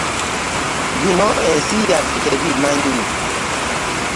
Bino ensi yaffe tebimanyi.